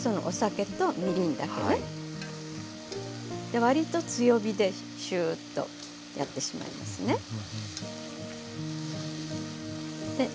で割と強火でシューッとやってしまいますね。